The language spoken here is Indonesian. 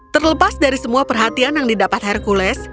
terlepas dari semua perhatian yang didapat hercules